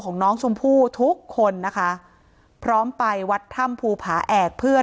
ของน้องชมพู่ทุกคนนะคะพร้อมไปวัดถ้ำภูผาแอกเพื่อ